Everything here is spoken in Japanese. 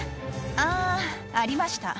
あー、ありました。